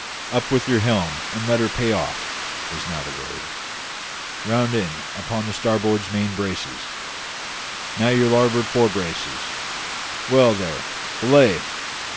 "Up with your helm and let her pay off!" was now the word; "round in upon the starboard main braces; now your larboard fore braces; well there; belay!